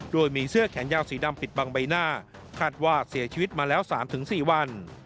โดยมีเสื้อแขนยาวสีดำปิดบังใบหน้าคาดว่าเสียชีวิตมาแล้ว๓๔วัน